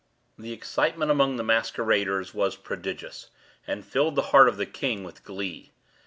The excitement among the masqueraders was prodigious, and filled the heart of the king with glee.